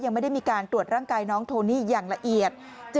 ยังไม่ได้มีการตรวจร่างกายน้องโทนี่อย่างละเอียด